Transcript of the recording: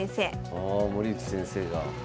ああ森内先生が。